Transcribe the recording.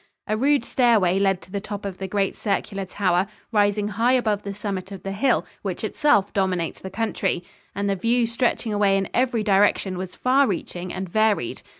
A rude stairway led to the top of the great circular tower, rising high above the summit of the hill, which itself dominates the country, and the view stretching away in every direction was far reaching and varied.